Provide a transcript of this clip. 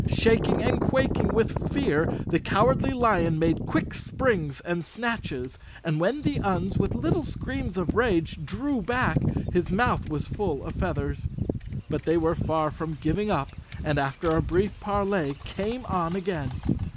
Shaking and quaking with fear, the Cowardly Lion made quick springs and snatches, and when the Uns with little screams of rage, drew back, his mouth 153 The Cowardly Lion of Oz _ was full of feathers. But they were far from giving up and after a brief parley came on again.